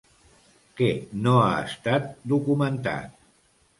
Què no ha estat documentat?